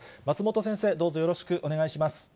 松本先生、どうぞよろしくお願いいたします。